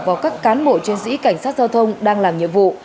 vào các cán bộ trên dĩ cảnh sát giao thông đang làm nhiệm vụ